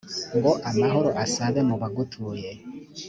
ngo amahoro asabe mu bagutuye